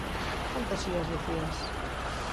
¿Que fantasías dicías?